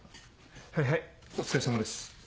はいはいお疲れさまです。